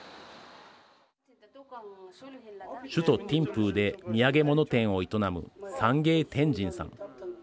首都ティンプーで土産物店を営むサンゲイ・テンジンさん。